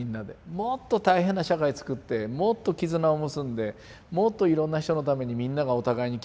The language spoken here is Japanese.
もっと大変な社会つくってもっと絆を結んでもっといろんな人のためにみんながお互いに傷ついて。